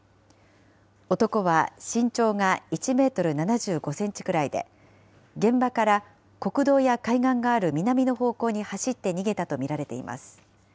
男は身長が１メートル７５センチくらいで、現場から国道や海岸がある南の方向に走って逃げたと見られています。